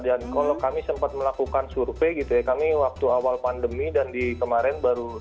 kalau kami sempat melakukan survei gitu ya kami waktu awal pandemi dan di kemarin baru